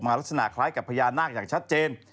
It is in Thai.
ลักษณะคล้ายกับพญานาคอย่างชัดเจน